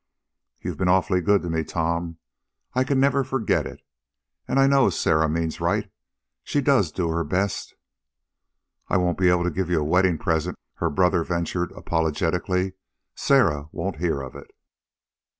"You've been awful good to me, Tom. I can never forget it. And I know Sarah means right. She does do her best." "I won't be able to give you a wedding present," her brother ventured apologetically. "Sarah won't hear of it.